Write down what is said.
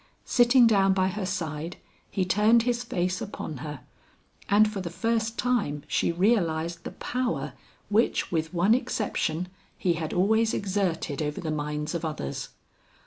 Sitting down by her side, he turned his face upon her, and for the first time she realized the power which with one exception he had always exerted over the minds of others.